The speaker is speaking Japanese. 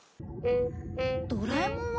ドラえもんは？